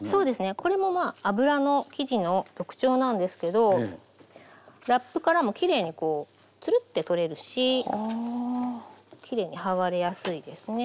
これもまあ油の生地の特徴なんですけどラップからもきれいにこうツルッて取れるしきれいに剥がれやすいですね。